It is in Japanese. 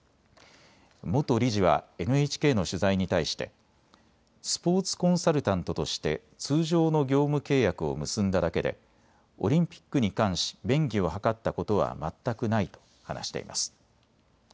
元理事はＮＨＫの取材に対してスポーツコンサルタントとして通常の業務契約を結んだだけでオリンピックに関し便宜を図ったことは全くないと話しています。